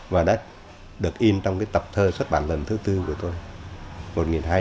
và đã được in trong cái tập thơ xuất bản lần thứ tư của tôi